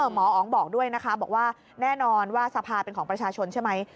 หมออ๋องบอกด้วยนะคะบอกว่าแน่นอนว่าสภาเป็นของประชาชนใช่ไหม